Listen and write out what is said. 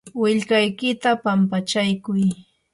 willkaykita pampachaykuy.